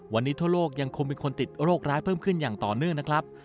วันนี้ทั่วโลกยังคงมีคนติดโรคร้ายเพิ่มขึ้นอย่างต่อเนื่องนะครับ